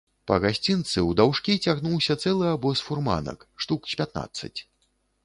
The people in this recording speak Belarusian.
Па гасцінцы ўдаўжкі цягнуўся цэлы абоз фурманак, штук з пятнаццаць.